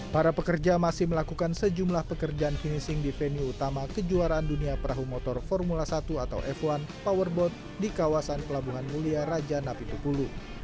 para pekerja masih melakukan sejumlah pekerjaan finishing di venue utama kejuaraan dunia perahu motor formula satu atau f satu powerboat di kawasan pelabuhan mulia raja napi tupulu